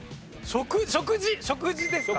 食事食事ですかね。